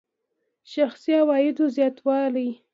شخصي عوایدو زیاتوالی.